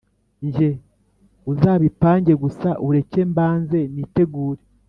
njye: uzabipange, gusa ureke mbanze nitegure